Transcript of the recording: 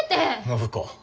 暢子